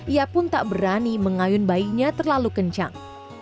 ia pun tak berani mengayun bayinya terlalu kencang